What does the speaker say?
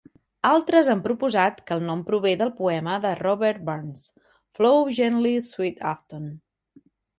Altres han proposat que el nom prové del poema de Robert Burns "Flow Gently Sweet Afton".